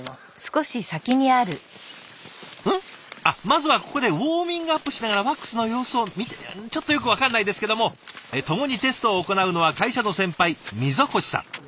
あっまずはここでウォーミングアップしながらワックスの様子を見てちょっとよく分からないですけども共にテストを行うのは会社の先輩溝越さん。